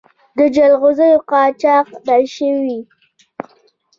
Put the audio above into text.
د جلغوزیو قاچاق بند شوی؟